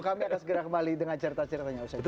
kami akan segera kembali dengan cerita ceritanya arswendo